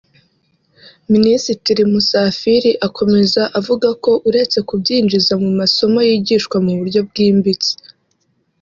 Minisitiri Musafiri akomeza avuga ko uretse kubyinjiza mu masomo yigishwa mu buryo bwimbitse